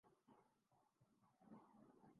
پاکستان ترقی خوشحالی کی راہ پر گامزن ہے خرم دستگیر